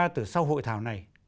từ sau hội thảo này